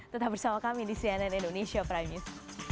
tetap bersama kami di cnn indonesia prime news